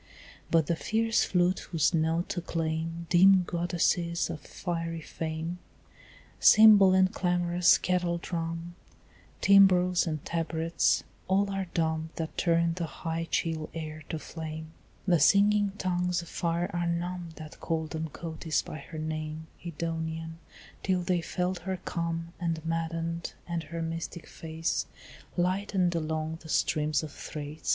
But the fierce flute whose notes acclaim Dim goddesses of fiery fame, Cymbal and clamorous kettledrum, Timbrels and tabrets, all are dumb That turned the high chill air to flame; The singing tongues of fire are numb That called on Cotys by her name Edonian, till they felt her come And maddened, and her mystic face Lightened along the streams of Thrace.